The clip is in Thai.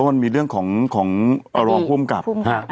อาประธิภูมิครับ